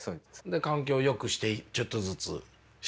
で環境をよくしてちょっとずつしていきたいと。